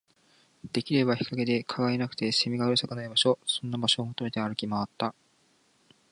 できれば日陰で、蚊がいなくて、蝉がうるさくない場所、そんな場所を求めて歩き回った